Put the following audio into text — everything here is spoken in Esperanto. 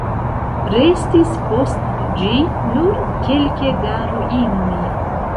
Restis post ĝi nur kelke da ruinoj.